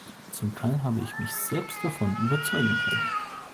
Zum Teil habe ich mich selbst davon überzeugen können.